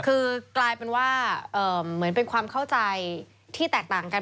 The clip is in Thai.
คือกลายเป็นว่าเหมือนเป็นความเข้าใจที่แตกต่างกัน